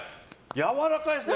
やわらかいですね